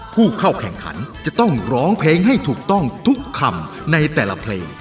ผู้เข้าแข่งขันจะต้องร้องเพลงให้ถูกต้องทุกคำในแต่ละเพลง